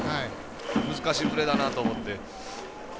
難しいプレーだなと思って。